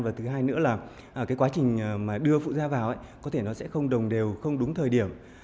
và thứ hai nữa là cái quá trình mà đưa phụ gia vào có thể nó sẽ không đồng đều không đúng thời điểm